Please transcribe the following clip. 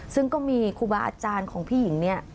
ซึ่งก็มีครูบาอาจารย์ของพี่หญิงเนี่ย